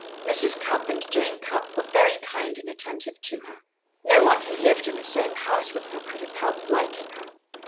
Mrs. Cupp and Jane Cupp were very kind and attentive to her. No one who lived in the same house with her could have helped liking her.